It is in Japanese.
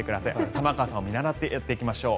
玉川さんを見習ってやっていきましょう。